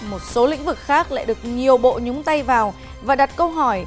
một số lĩnh vực khác lại được nhiều bộ nhúng tay vào và đặt câu hỏi